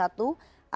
ada ketua dpp